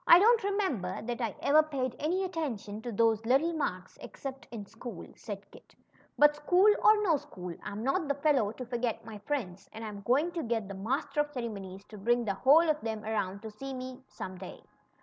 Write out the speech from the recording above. don't remember that I ever paid any attention to those little marks, except in school," said Kit ; but school or no school. I'm not the fellow to forget my friends, and I'm going to get the Master of Ceremonies to bring the whole of them around to see me some day."